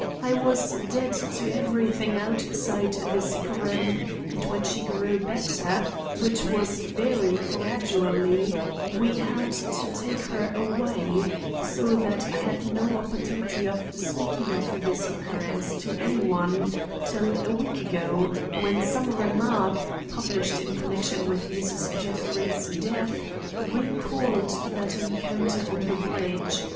I was dead to everything outside the sick room and when she grew better, which was very gradually, we had to take her away, so that I had no opportunity of speaking of this occurrence to any one till a week ago, when some remark, published in connection with Mrs. Jeffrey's death, recalled that encounter on the bridge.